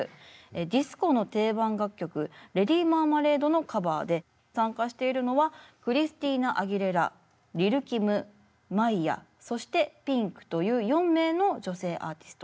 ディスコの定番楽曲「ＬａｄｙＭａｒｍａｌａｄｅ」のカバーで参加しているのはクリスティーナ・アギレラリル・キムマイアそしてピンクという４名の女性アーティスト。